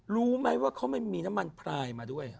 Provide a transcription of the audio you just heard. รู้ไหมว่าเขาไม่มีน้ำมันพลายมาด้วย